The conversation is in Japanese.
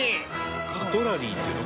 カトラリーっていうの？